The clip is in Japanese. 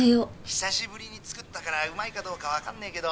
久しぶりに作ったからうまいかどうか分かんねえけど。